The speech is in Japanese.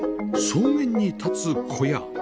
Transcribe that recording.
草原に立つ小屋